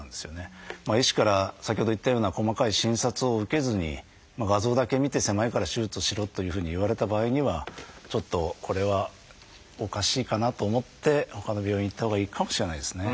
医師から先ほど言ったような細かい診察を受けずに画像だけ見て狭いから手術をしろというふうに言われた場合にはちょっとこれはおかしいかなと思ってほかの病院へ行ったほうがいいかもしれないですね。